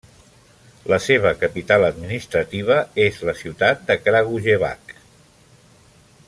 La seva capital administrativa és la ciutat de Kragujevac.